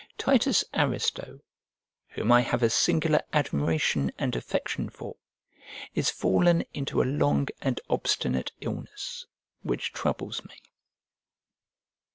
Titus Aristo, whom I have a singular admiration and affection for, is fallen into a long and obstinate illness, which troubles me.